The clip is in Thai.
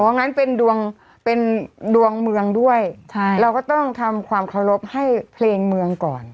งั้นเป็นดวงเป็นดวงเมืองด้วยเราก็ต้องทำความเคารพให้เพลงเมืองก่อน